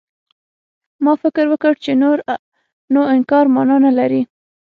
ما فکر وکړ چې نور نو انکار مانا نه لري.